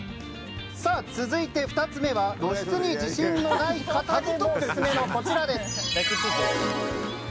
続いて、２つ目は露出に自信のない方でもオススメのこちらです。